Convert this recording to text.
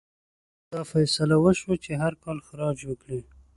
دا فیصله وشوه چې هر کال خراج ورکړي.